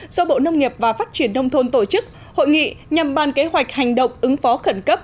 do bộ nông nghiệp và phát triển nông thôn tổ chức hội nghị nhằm ban kế hoạch hành động ứng phó khẩn cấp